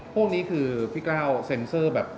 พวกนี้คือพี่กล้าวเซ็นเซอร์แบบ